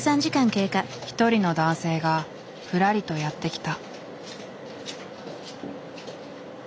一人の男性がふらりとやって来た。